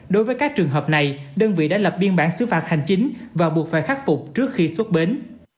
đối với các trường hợp này đơn vị đã lập biên bản xứ phạt hành chính và buộc phải khắc phục trước khi xuất bến